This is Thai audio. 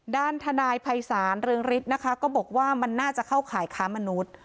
ด้านทนายภัยศาลเรืองฤทธิ์นะคะก็บอกว่ามันน่าจะเข้าข่ายค้ามนุษย์